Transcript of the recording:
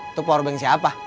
itu powerbank siapa